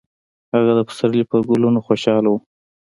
هغه د پسرلي په ګلونو خوشحاله و.